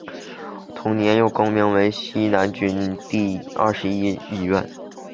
同年又更名为西南军区第二十一医院。